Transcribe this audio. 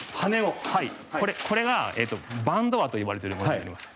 これがバンドアと呼ばれているものになります。